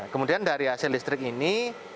kemudian dari hasil listrik ini